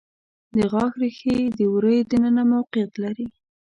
د غاښ ریښې د وریو د ننه موقعیت لري.